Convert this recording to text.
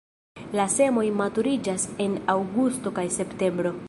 La semoj maturiĝas en aŭgusto kaj septembro.